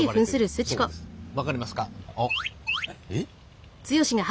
分かりますか？